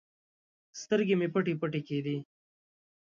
سترګې مې پټې پټې کېدې.